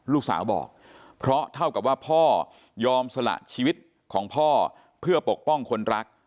ลูกสาวบอกเพราะเท่ากับว่าพ่อยอมสละชีวิตของพ่อเพื่อปกป้องคนรัก